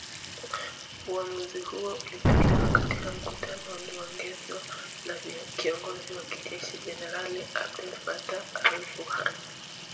uamuzi huo ulitolewa katika mkutano ulioongozwa na kiongozi wa kijeshi , generali Abdel Fattah al- Burhan